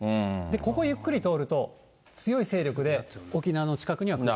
ここ、ゆっくり通ると、強い勢力で沖縄の近くには来る。